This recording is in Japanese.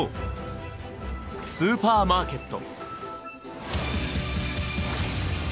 「スーパーマーケット」！